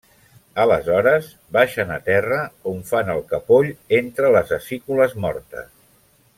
Aleshores, baixen a terra on fan el capoll entre les acícules mortes.